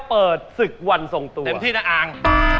เปิดศึกวันส่งตัว